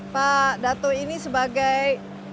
pak datuk ini sebagai